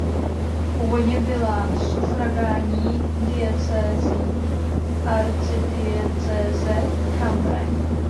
Původně byla sufragánní diecézí arcidiecéze Cambrai.